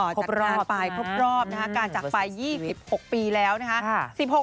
อ๋อจัดการปลายพบรอบนะฮะการจัดปลาย๒๖ปีแล้วนะฮะ